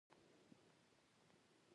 یو سړی او څو سړي